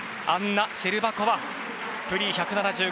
アンナ・シェルバコワフリー１７５．７５。